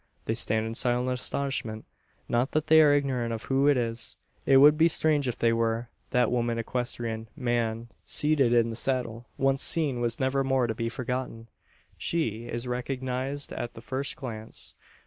They stand in silent astonishment. Not that they are ignorant of who it is. It would be strange if they were. That woman equestrian man seated in the saddle once seen was never more to be forgotten. She is recognised at the first glance.